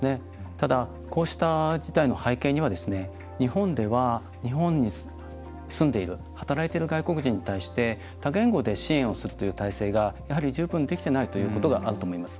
ただ、こうした事態の背景には日本では、日本に住んでいる働いてる外国人に対して多言語で支援をするという体制がやはり、十分できてないということがあると思います。